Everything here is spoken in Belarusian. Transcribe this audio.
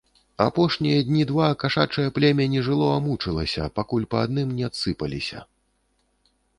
Апошнія дні два кашачае племя не жыло, а мучылася, пакуль па адным не адсыпаліся.